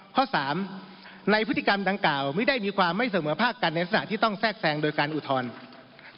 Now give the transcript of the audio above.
ข้อสามในพฤติกรรมตั้งกล่าวมิได้มีความไม่เส่อเหมาะภาคกับการเนสถานะที่ต้องแทรกแสงโดยการอุทธรรม